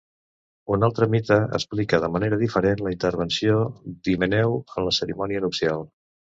Un altre mite explica de manera diferent la intervenció d'Himeneu en la cerimònia nupcial.